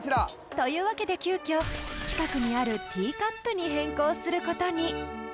［というわけで急遽近くにあるティーカップに変更することに］